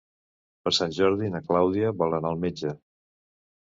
Per Sant Jordi na Clàudia vol anar al metge.